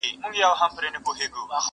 خزان به تېر وي پسرلی به وي ګلان به نه وي!!